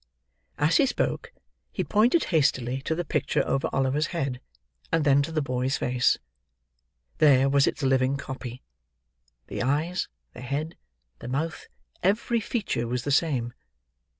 As he spoke, he pointed hastily to the picture over Oliver's head, and then to the boy's face. There was its living copy. The eyes, the head, the mouth; every feature was the same.